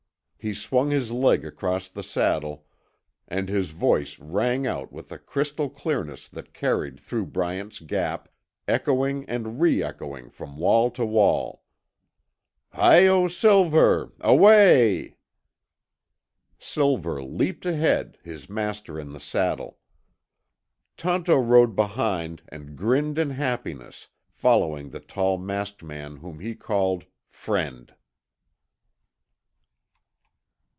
He swung his leg across the saddle, and his voice rang out with a crystal clearness that carried through Bryant's Gap, echoing and re echoing from wall to wall. "Hi Yo Silver, Away y y!" Silver leaped ahead, his master in the saddle. Tonto rode behind and grinned in happiness, following the tall masked man whom he called "friend."